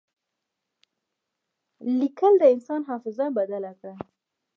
لیکل د انسان حافظه بدل کړه.